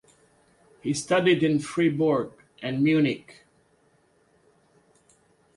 He studied in Fribourg and Munich.